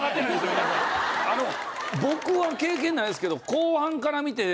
僕は経験ないですけど。